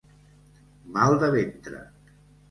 Mal de ventre.